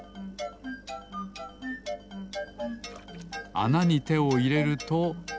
あなにてをいれると。